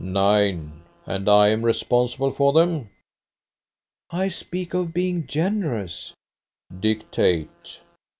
"Nine. And I am responsible for them?" "I speak of being generous." "Dictate."